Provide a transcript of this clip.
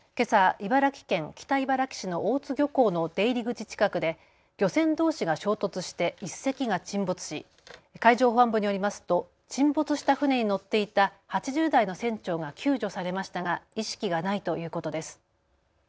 茨城県北茨城市の大津漁港の出入り口近くで漁船どうしが衝突して１隻が沈没し、海上保安部によりますと沈没した船に乗っていた８０代の船長が救助されましたが意識がないということです。